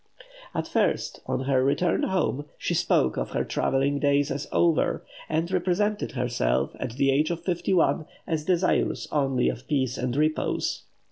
At first, on her return home, she spoke of her travelling days as over, and represented herself, at the age of fifty one, as desirous only of peace and repose.